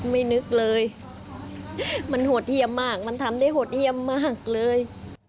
ไม่นึกเลยมันโหดเยี่ยมมากมันทำได้โหดเยี่ยมมากเลย